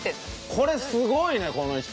これすごいねこの人。